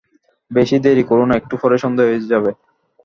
বেশি দেরি করো না, একটু পরেই সন্ধ্যা হয়ে যাবে।